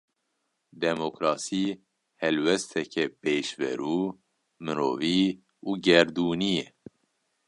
Demokrasî, helwesteke pêşverû, mirovî û gerdûnî ye